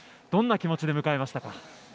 どんな気持ちで迎えましたか？